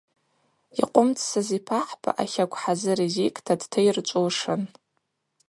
Йкъвымцӏсыз йпахӏба ахакв хӏазыр йзикӏта дтайырчӏвушын.